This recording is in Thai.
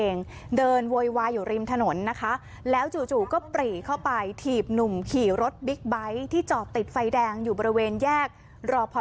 ในนาคมที่ผ่านมาค่ะ